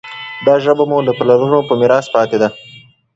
دا ژبه مو له پلرونو په میراث پاتې ده.